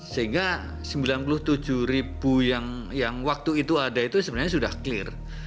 sehingga sembilan puluh tujuh ribu yang waktu itu ada itu sebenarnya sudah clear